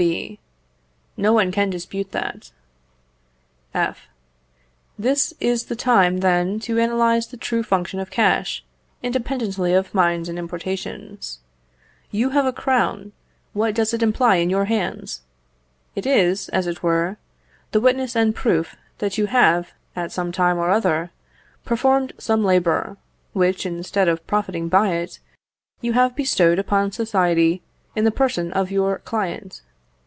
B. No one can dispute that. F. This is the time, then, to analyse the true function of cash, independently of mines and importations. You have a crown. What does it imply in your hands? It is, as it were, the witness and proof that you have, at some time or other, performed some labour, which, instead of profiting by it, you have bestowed upon society in the person of your client.